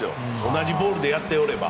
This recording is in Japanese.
同じボールでやっていれば。